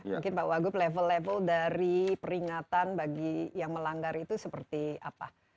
mungkin pak wagub level level dari peringatan bagi yang melanggar itu seperti apa